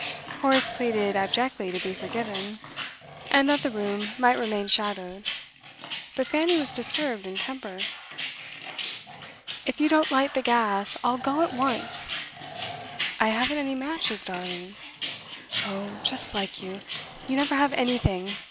Horace pleaded abjectly to be forgiven, and that the room might remain shadowed; but Fanny was disturbed in temper. 'If you don't light the gas, I'll go at once.' 'I haven't any matches, darling.' 'Oh, just like you! You never have anything.